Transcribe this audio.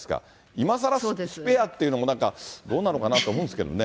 今さら、スペアっていうのも、なんか、どうなのかなと思うんですけどね。